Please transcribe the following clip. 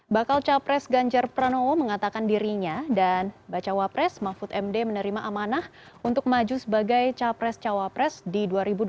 bakal capres ganjar pranowo mengatakan dirinya dan bacawa pres mahfud md menerima amanah untuk maju sebagai capres cawapres di dua ribu dua puluh